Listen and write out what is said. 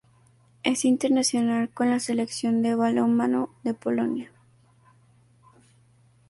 Es internacional con la Selección de balonmano de Polonia.